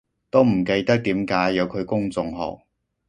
都唔記得點解有佢公眾號